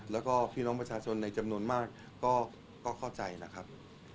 แล้วก็พี่น้องประชาชนในจำนวนมากก็เข้าใจนะครับ